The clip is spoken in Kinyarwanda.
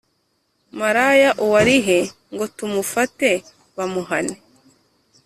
Maraya uwo ari he ngotumufate bamuhane